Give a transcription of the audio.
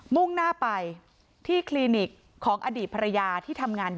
มุ่งหน้าไปที่คลินิกของอดีตภรรยาที่ทำงานอยู่